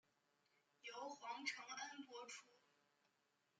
由黄承恩播出。